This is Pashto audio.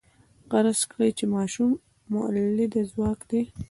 فرض کړئ چې ماشوم مؤلده ځواک دی.